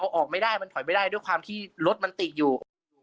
ออกไม่ได้มันถอยไม่ได้ด้วยความที่รถมันติดอยู่